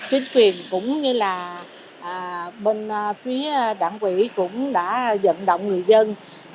tuyên truyền cũng như là bên phía đảng ủy cũng đã dẫn động người dân